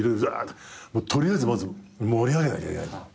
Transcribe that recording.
取りあえずまず盛り上げなきゃいけないと。